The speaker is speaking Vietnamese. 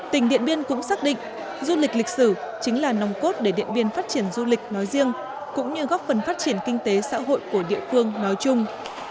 tỉnh điện biên cũng xác định du lịch lịch sử chính là nòng cốt để điện biên phát triển du lịch nói riêng cũng như góp phần phát triển kinh tế xã hội của địa phương nói chung